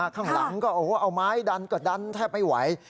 ข้างหลังก็เอาไม้ดันก็ดันแทบไม่ไหว